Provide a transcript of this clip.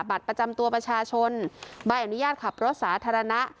บัตรประจำตัวประชาชนใบอนุญาตขับรถสาธารณะ